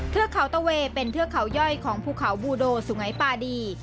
เทือกเขาตะเวเป็นเทือกเขาย่อยของภูเขาบูโดสุงัยปาดี